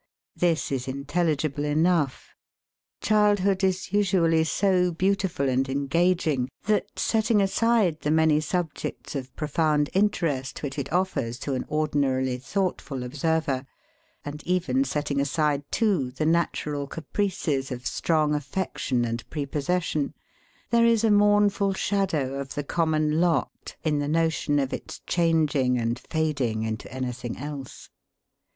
This is intelligible enough. Childhood is usually so beautiful and en gaging, that, setting aside the many subjects of profound interest which it offei's to an ordinarily thoughtful observer ; and even setting aside, too, the natural caprices of strong affection and prepossession ; there is a mournful shadow of the common lot, in the notion of its changing and fading into any thing else.